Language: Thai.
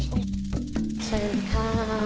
เชิญค่ะ